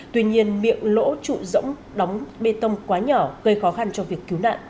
tuy nhiên miệng lỗ trụ rỗng đóng bê tông quá nhỏ gây khó khăn cho việc